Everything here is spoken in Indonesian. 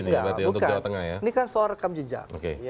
ini kan seorang rekam jejak